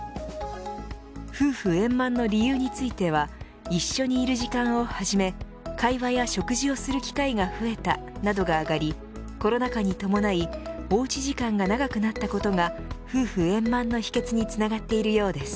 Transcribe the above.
夫婦円満の理由については一緒にいる時間をはじめ会話や食事をする機会が増えたなどが挙がりコロナ禍に伴いおうち時間が長くなったことが夫婦円満の秘訣につながっているようです。